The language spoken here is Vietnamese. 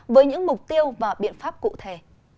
với những mục tiêu và biện pháp cụ thể